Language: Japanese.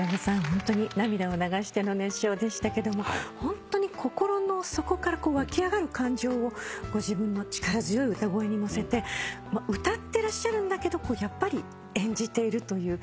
ホントに涙を流しての熱唱でしたけどもホントに心の底から湧き上がる感情をご自分の力強い歌声に乗せて歌ってらっしゃるんだけどやっぱり演じているという。